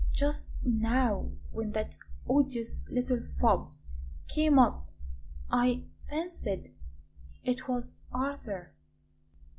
Just now, when that odious little fop came up, I fancied it was Arthur."